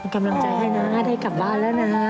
กำลังใจให้นะได้กลับบ้านแล้วนะฮะ